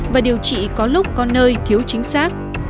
và điều trị có lúc có nơi thiếu chính xác